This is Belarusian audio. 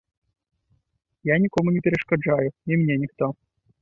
Я нікому не перашкаджаю, і мне ніхто.